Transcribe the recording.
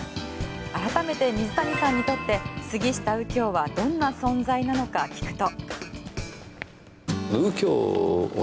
改めて水谷さんにとって杉下右京はどんな存在なのか聞くと。